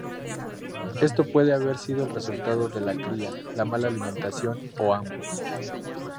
Esto puede haber sido el resultado de la cría, la mala alimentación, o ambos.